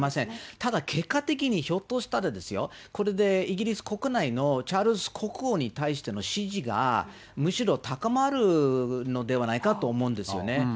ただ、結果的にひょっとしたらですよ、これでイギリス国内のチャールズ国王に対しての支持が、むしろ高まるのではないかと思うんですよね。